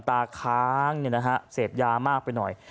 บาดค้างเนี่ยนะครับเสพยามากไปหน่อย